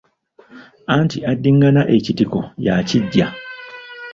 Anti addingana ekitiko y'akiggya.